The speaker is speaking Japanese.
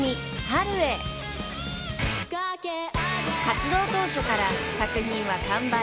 ［活動当初から作品は完売。